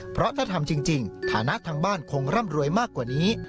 เพราะถ้าทำจริงฐานะทางบ้านคงร่ำรวยมากกว่านี้